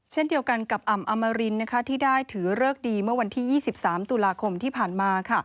เช่นเดียวกันกับอ่ำอมรินที่ได้ถือเลิกดีเมื่อวันที่๒๓ตุลาคมที่ผ่านมา